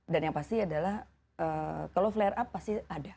dan yang pasti adalah kalau flare up pasti ada